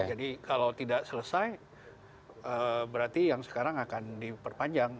jadi kalau tidak selesai berarti yang sekarang akan diperpanjang